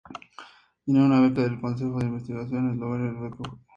Tenía una beca del Consejo de Investigación de Eslovenia y una beca Fulbright.